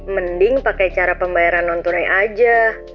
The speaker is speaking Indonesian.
mending pakai cara pembayaran non tunai aja